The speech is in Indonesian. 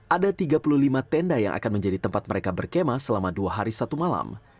ada tiga puluh lima tenda yang akan menjadi tempat mereka berkema selama dua hari satu malam